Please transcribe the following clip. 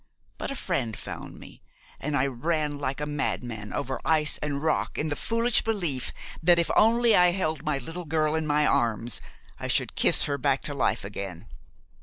But a friend found me, and I ran like a madman over ice and rock in the foolish belief that if only I held my little girl in my arms I should kiss her back to life again.